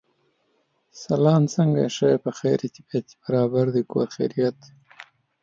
He has also worked in villainous roles with equal ease.